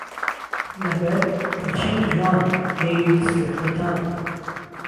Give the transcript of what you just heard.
لهبهر پرچهمی جوانه، لێوی میسلی قهیتانه